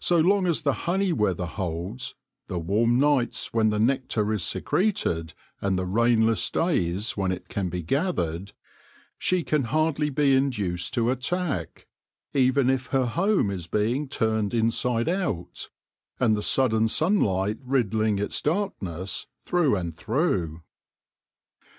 So long as the honey weather holds — the warm nights when the nectar is secreted, and the rainless days when it can be gathered — she can hardly be induced to attack, even if her home is being turned inside out, and the sudden sunlight riddling its darkness through and through.